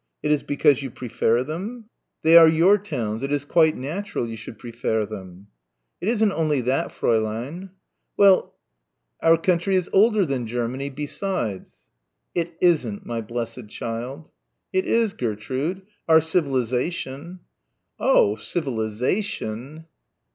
It is because you prefair them? They are your towns, it is quite natural you should prefair them." "It isn't only that, Fräulein." "Well?" "Our country is older than Germany, besides " "It isn't, my blessed child." "It is, Gertrude our civilisation." "Oh, civilisation."